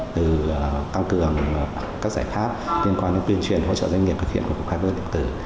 từ tăng cường các giải pháp liên quan đến tuyên truyền hỗ trợ doanh nghiệp thực hiện của cục hải quan điện tử